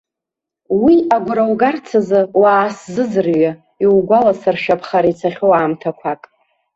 Уи агәра угарц азы, уаасзыӡырҩы, иугәаласыршәап хара ицахьоу аамҭақәак.